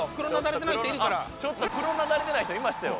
ちょっとクロナダれてない人いましたよ。